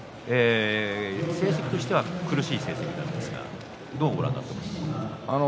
成績としては苦しい成績なんですがどうご覧になっていますか？